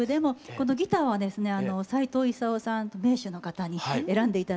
このギターはですね斉藤功さん名手の方に選んで頂いた。